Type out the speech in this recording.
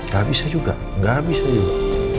gak bisa juga nggak bisa juga